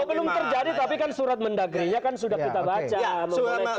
ya belum terjadi tapi kan surat mendagrinya kan sudah kita baca